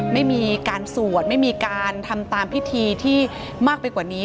ไม่มีการสวดไม่มีการทำตามพิธีที่มากไปกว่านี้